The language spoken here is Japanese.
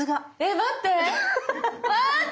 待って！